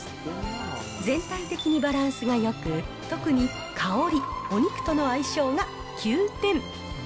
全体的にバランスがよく、特に香り、お肉との相性が９点。